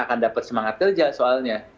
akan dapat semangat kerja soalnya